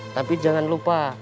tapi jangan lupa